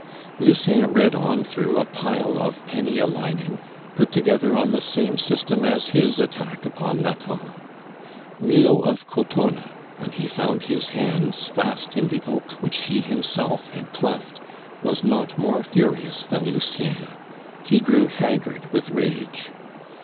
Lucien read on through a pile of penny a lining, put together on the same system as his attack upon Nathan. Milo of Crotona, when he found his hands fast in the oak which he himself had cleft, was not more furious than Lucien. He grew haggard with rage.